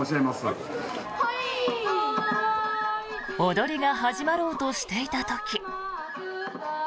踊りが始まろうとしていた時。